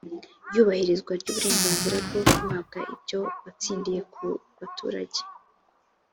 iyubahirizwa ry uburenganzira bwo guhabwa ibyo watsindiye ku baturage